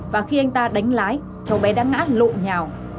và khi anh ta đánh lái cháu bé đang ngã lộn nhào